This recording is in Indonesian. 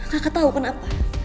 kaka tau kenapa